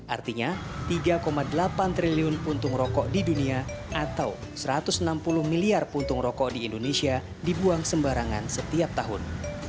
artinya tiga delapan triliun puntung rokok di dunia atau satu ratus enam puluh miliar puntung rokok di indonesia dibuang sembarangan setiap tahun